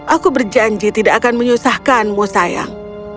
aku berjanji tidak akan menyusahkanmu sayang